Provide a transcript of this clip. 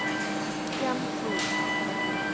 點拄